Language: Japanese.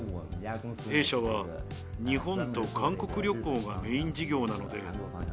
弊社は日本と韓国旅行がメイン事業なので。